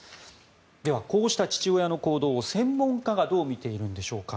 では、こうした父親の行動を専門家はどう見ているんでしょうか。